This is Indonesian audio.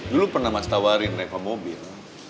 dulu pernah mas tawarin reva mobil